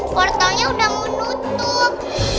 portalnya udah menutup